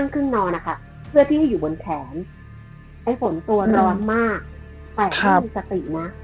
คือพี่ให้อยู่บนแขนไอ้ฝนตัวร้อนมากแตกให้มีสตินะ